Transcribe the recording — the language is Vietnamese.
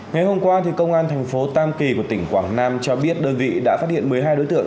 ngày hôm qua công an thành phố tam kỳ của tỉnh quảng nam cho biết đơn vị đã phát hiện một mươi hai đối tượng